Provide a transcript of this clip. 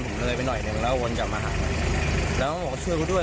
ผมเลยไปหน่อยหนึ่งแล้ววนกลับมาหาแล้วบอกว่าช่วยกูด้วย